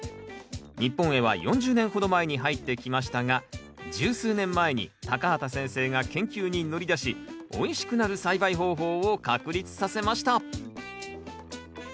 日本へは４０年ほど前に入ってきましたが十数年前に畑先生が研究に乗り出しおいしくなる栽培方法を確立させました。